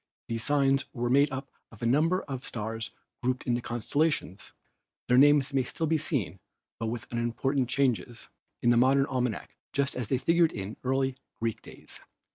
These signs were made up of a number of stars grouped into constellations. Their names may still be seen, with but unimportant changes, in a modern almanac just as they figured in early Greek days.